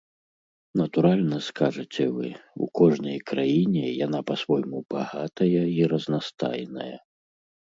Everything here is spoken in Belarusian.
Натуральна, скажаце вы, у кожнай краіне яна па-свойму багатая і разнастайная.